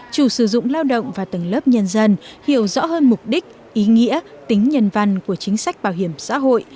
chủ sử dụng lao động và tầng lớp nhân dân hiểu rõ hơn mục đích ý nghĩa tính nhân văn của chính sách bảo hiểm xã hội